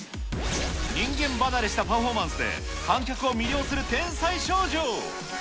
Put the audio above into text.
人間離れしたパフォーマンスで観客を魅了する天才少女。